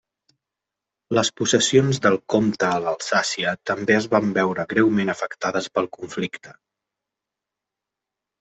Les possessions del comte a l'Alsàcia també es van veure greument afectades pel conflicte.